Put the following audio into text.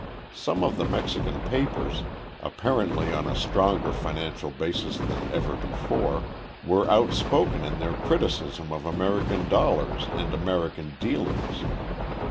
Some of the Mexican papers, apparently on a stronger financial basis than ever before, were outspoken in their criticism of American dollars and American dealings.